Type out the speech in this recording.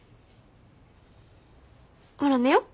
ほら寝よう？